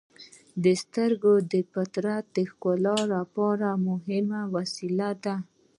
• سترګې د فطرت ښکلا لپاره یوه مهمه وسیله ده.